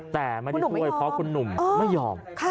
แต่ไม่ได้ช่วยเพราะคุณหนุ่มไม่ยอม